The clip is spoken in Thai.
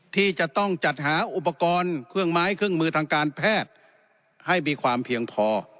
ที่จะต้องจัดหาอุปกรณ์เครื่องไม้เครื่องมือทางการแพทย์ให้มีความเพียงพอ